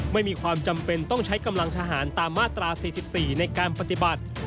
ไม่มีความจำเป็นต้องใช้กำลังทหารตามมาตรา๔๔ในการปฏิบัติ